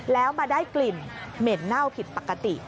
แล้วมาได้กลิ่นเหม็นเน่าผิดปกติ